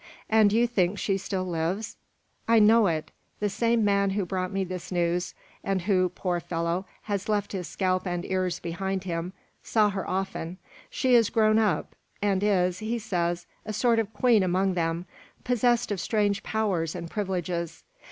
"And you think she still lives?" "I know it. The same man who brought me this news, and who, poor fellow, has left his scalp and ears behind him, saw her often. She is grown up, and is, he says, a sort of queen among them, possessed of strange powers and privileges.